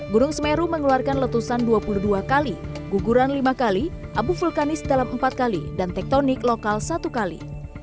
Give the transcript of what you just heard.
gunung semeru mengeluarkan letusan dua puluh dua kali guguran lima kali abu vulkanis dalam empat kali dan tektonik lokal satu kali